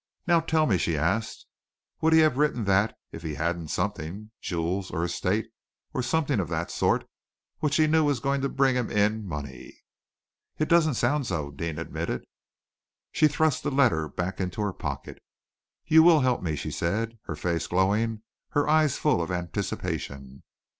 "Now tell me," she asked, "would he have written that if he hadn't something jewels, or estate, or something of that sort, which he knew was going to bring him in money?" "It doesn't sound so," Deane admitted. She thrust the letter back into her pocket. "You will help me," she said, her face glowing, her eyes full of anticipation.